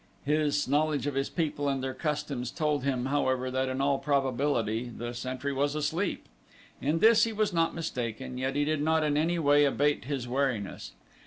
His knowledge of his people and their customs told him, however, that in all probability the sentry was asleep. In this he was not mistaken, yet he did not in any way abate his wariness.